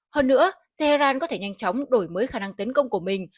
hơn nữa tehran có thể nhanh chóng đổi mới khả năng tấn công của mình